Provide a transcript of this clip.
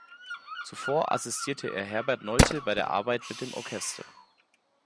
Zuvor assistierte er Herbert Nolte bei der Arbeit mit dem Orchester.